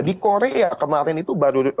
di korea kemarin itu baru